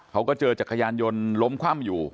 เขาก็เจอจักรยานยนต์ล้มคว่ำอยู่